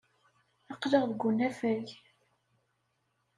Aql-aɣ deg unafag.